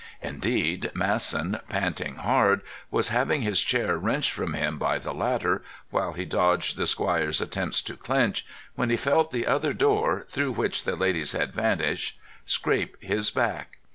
Indeed, Masson, panting hard, was having his chair wrenched from him by the latter, while he dodged the squire's attempts to clinch, when he felt the other door, through which the ladies had vanished, scrape his back.